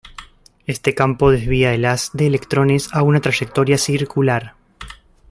Este campo desvía el haz de electrones a una trayectoria circular.